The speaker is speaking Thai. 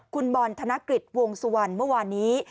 คุณบอลธนกฤษวงสุวรรณเมื่อวานนี้